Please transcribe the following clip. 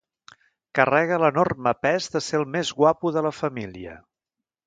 Carregue l'enorme pes de ser el més guapo de la família.